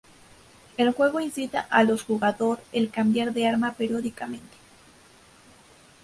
El juego incita a los jugador el cambiar de arma periódicamente.